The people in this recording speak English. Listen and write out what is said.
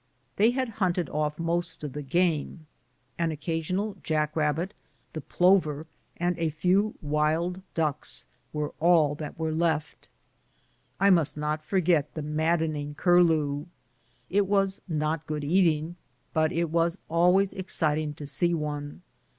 Thej had hunted off most of the game; an occasional jack rabbit, tlie plover, and a few wild ducks were all that were left. I must not forget the maddening curlew. It was not good eating, but it was always exciting to see one.